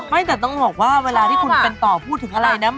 ไม่แต่ต้องบอกว่าเวลาที่คุณเป็นต่อพูดถึงอะไรนะ